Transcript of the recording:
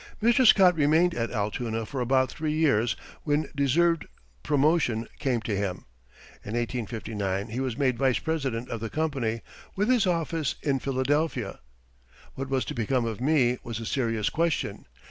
] Mr. Scott remained at Altoona for about three years when deserved promotion came to him. In 1859 he was made vice president of the company, with his office in Philadelphia. What was to become of me was a serious question.